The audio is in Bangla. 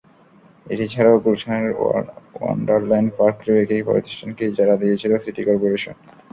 এটি ছাড়াও গুলশানের ওয়ান্ডারল্যান্ড পার্কটিও একই প্রতিষ্ঠানকে ইজারা দিয়েছিল সিটি করপোরেশন।